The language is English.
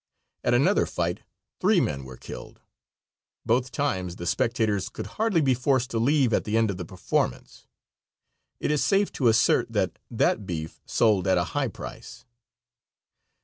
At another fight three men were killed. Both times the spectators could hardly be forced to leave at the end of the performance. It is safe to assert that that beef sold at a high price.